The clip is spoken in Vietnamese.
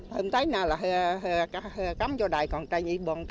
hôm tết nào là cắm cho đại còn trai nhị bọn